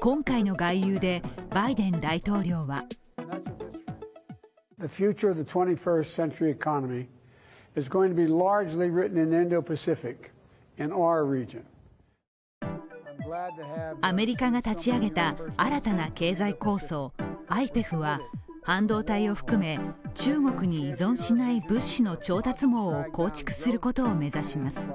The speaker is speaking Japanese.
今回の外遊でバイデン大統領はアメリカが立ち上げた新たな経済構想・ＩＰＥＦは半導体を含め、中国に依存しない物資の調達網を構築することを目指します。